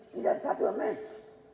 tidak ada satu yang match